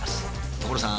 所さん！